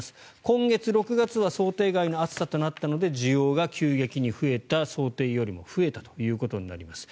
今月６月は想定外の暑さとなったので需要が急激に増えた、想定よりも増えたということになります。